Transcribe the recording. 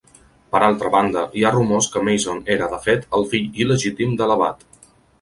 Per altra banda, hi ha rumors que Mason era, de fet, el fill il·legítim de l'abat.